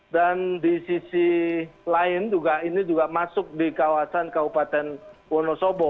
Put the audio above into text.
dan di sisi lain juga ini juga masuk di kawasan kabupaten wonosobo